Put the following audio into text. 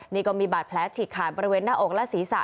นี่ก็มีบาดแผลฉีกขาดบริเวณหน้าอกและศีรษะ